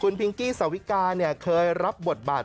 พิงกี้สาวิกาเคยรับบทบาท